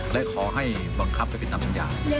และขอให้บังคับให้ผิดลำในสัญญา